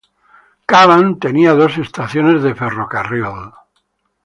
Cavan tenía dos estaciones de ferrocarril.